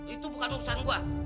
itu bukan urusan gue